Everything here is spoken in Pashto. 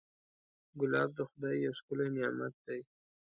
ګلاب د خدای یو ښکلی نعمت دی.